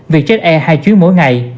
vietjet air hai chuyến mỗi ngày